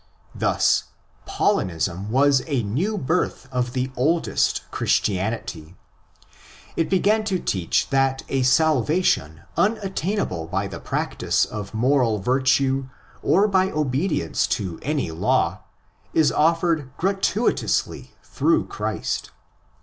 Thus Paulinism was a new birth of the oldest Christianity. It began to teach that a salvation unattainable by the practice of moral virtue or by obedience to any law is offered gratuitously through Christ.